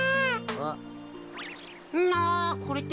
あっ。